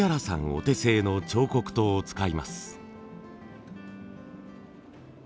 お手製の彫刻刀を使います。